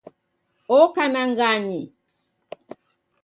Oka na ng'anyi